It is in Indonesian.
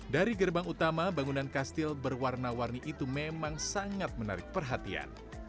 dari gerbang utama bangunan kastil berwarna warni itu memang sangat menarik perhatian